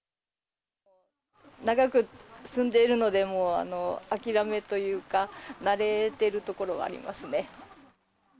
長く住んでいるので、もう諦めというか、慣れてるところはありますね。